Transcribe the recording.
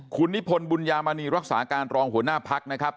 คุณนิพนธ์บุญญามณีรักษาการรองหัวหน้าพักนะครับ